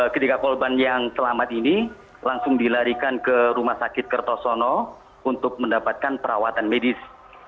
ketiga korban yang selamat ini langsung dilarikan ke rumah sakit kertosono untuk mendapatkan perawatan medis